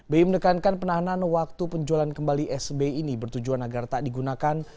bi mendekankan penahanan waktu penjualan kembali sbi ini bertujuan agar tak digunakan